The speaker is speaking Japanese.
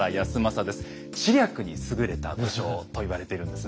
「知略に優れた武将」と言われているんですね。